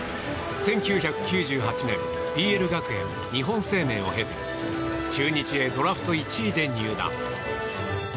１９９８年ＰＬ学園、日本生命を経て中日へドラフト１位で入団。